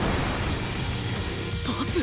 パス！？